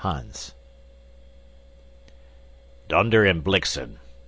Hans "Donder and Blixin!"